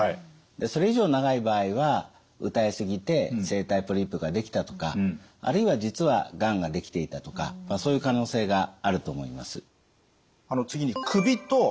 でそれ以上長い場合は歌い過ぎて声帯ポリープができたとかあるいは実はがんができていたとかそういう可能性があると思います。